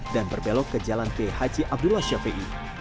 dan berbelok ke jalan khc abdullah syafiee